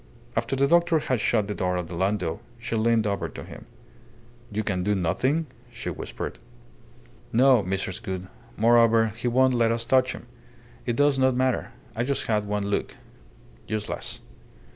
After the doctor had shut the door of the landau, she leaned over to him. "You can do nothing?" she whispered. "No, Mrs. Gould. Moreover, he won't let us touch him. It does not matter. I just had one look. ... Useless."